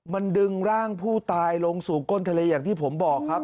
มันดึงร่างผู้ตายลงสู่ก้นทะเลอย่างที่ผมบอกครับ